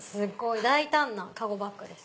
大胆な籠バッグです。